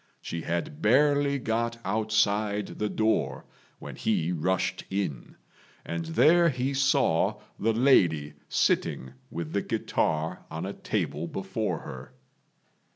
She had barely got outside the door when he rushed in, and there he saw the lady sitting with the guitar on a table before her.